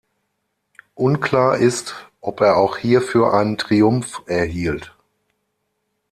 Unklar ist, ob er auch hierfür einen Triumph erhielt.